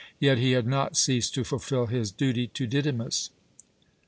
Yet he had not ceased to fulfil his duty to Didymus.